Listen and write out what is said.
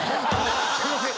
すいません！